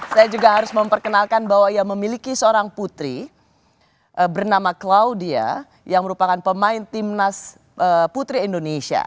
saya juga harus memperkenalkan bahwa ia memiliki seorang putri bernama claudia yang merupakan pemain timnas putri indonesia